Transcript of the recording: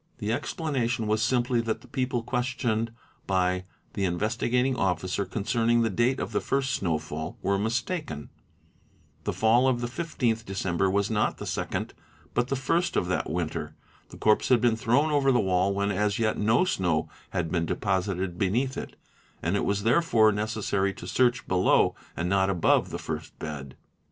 The explanation was simply that the people questioned by the Investi gating Officer concerning the date of the first snowfall were mistaken ; the fall of the 15th December was not the second but the first of that winter, the corpse had been thrown over the wall when as yet no snow had been deposited beneath it, and it was therefore necessary to search below and not above the first bed.